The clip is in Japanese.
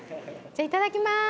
じゃあいただきます。